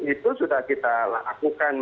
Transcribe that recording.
itu sudah kita lakukan